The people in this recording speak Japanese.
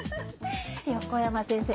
横山先生